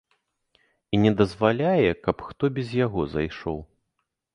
І не дазваляе, каб хто без яго зайшоў.